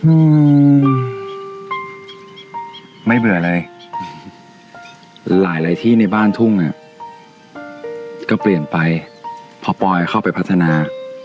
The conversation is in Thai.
อืมไม่เบื่อเลยหลายหลายที่ในบ้านทุ่งอ่ะก็เปลี่ยนไปพอปอยเข้าไปพัฒนา